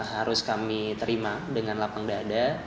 harus kami terima dengan lapang dada